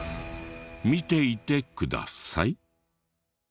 見ていてください。